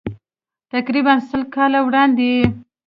تقریباً سل کاله وړاندې یې.